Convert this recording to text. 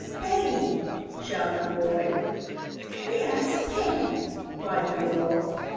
"Peggy!" shouted Roy. "Yes, Peggy," cried the girl.